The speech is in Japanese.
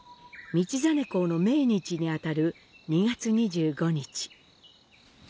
道真公の命日にあたる２月２５日。